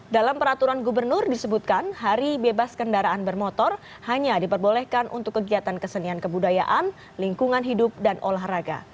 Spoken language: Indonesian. dalam peraturan gubernur disebutkan hari bebas kendaraan bermotor hanya diperbolehkan untuk kegiatan kesenian kebudayaan lingkungan hidup dan olahraga